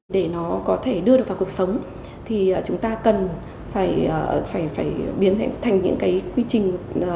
để nó có thể đưa được vào cuộc sống thì chúng ta cần phải biến thành những cái quy trình